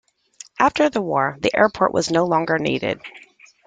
After the war, the airport was no longer needed.